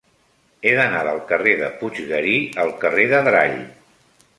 He d'anar del carrer de Puiggarí al carrer d'Adrall.